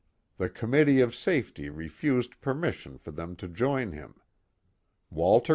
The committee of safety refused permission for them to join him. Walter N.